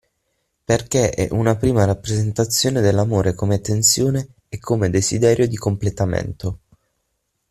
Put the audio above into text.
Perché è una prima rappresentazione dell'amore come tensione e come desiderio di completamento.